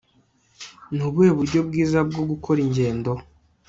nubuhe buryo bwiza bwo gukora ingendo